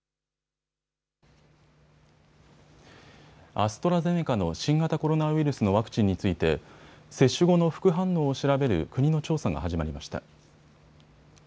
アストラゼネカの新型コロナウイルスのワクチンについて接種後の副反応を調べる国の調査が始まりました。